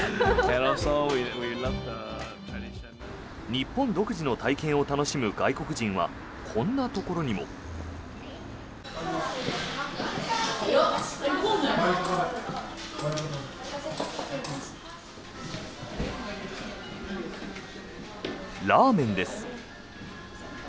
日本独自の体験を楽しむ外国人は、こんなところにも。ラーメンです。